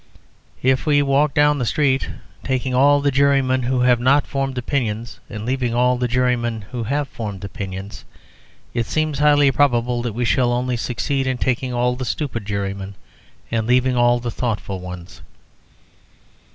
If we walk down the street, taking all the jurymen who have not formed opinions and leaving all the jurymen who have formed opinions, it seems highly probable that we shall only succeed in taking all the stupid jurymen and leaving all the thoughtful ones.